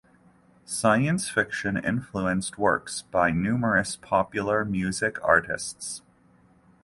Science fiction influenced works by numerous popular music artists.